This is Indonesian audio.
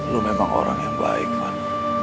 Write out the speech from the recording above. lo memang orang yang baik van